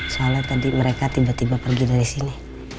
soalnya tadi mereka tiba tiba pergi dari sini